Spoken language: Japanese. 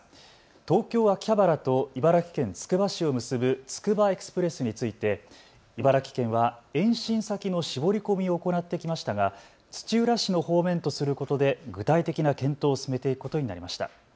東京秋葉原と茨城県つくば市を結ぶつくばエクスプレスについて茨城県は延伸先の絞り込みを行ってきましたが土浦市の方面とすることで具体的な検討を進めていくことになりました。